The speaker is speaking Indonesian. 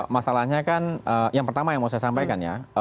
masalahnya kan yang pertama yang mau saya sampaikan ya